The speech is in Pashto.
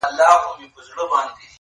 شپږ اووه شپې په ټول ښار کي وه جشنونه!!